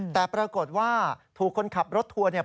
แต่ปรากฏว่าถูกคนขับรถทัวร์เนี่ย